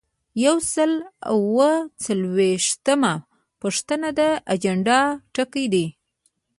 یو سل او اووه څلویښتمه پوښتنه د اجنډا ټکي دي.